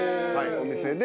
お店で。